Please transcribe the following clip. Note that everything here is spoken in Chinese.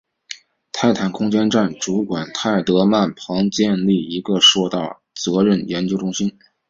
泰坦空间站主管泰德曼旁建立了一个硕大的责任研究中心。